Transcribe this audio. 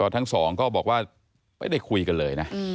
ทั้งสองก็บอกว่าไม่ได้คุยกันเลยนะ